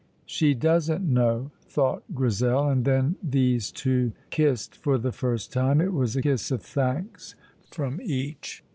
"She doesn't know!" thought Grizel, and then these two kissed for the first time. It was a kiss of thanks from each.